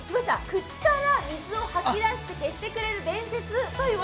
口から水を吐きだして消してくれる伝説といわれていた